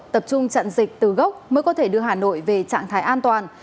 tập trung chặn dịch từ gốc mới có thể đưa hà nội về trạng thái an toàn